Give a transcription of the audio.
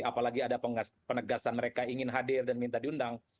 apalagi ada penegasan mereka ingin hadir dan minta diundang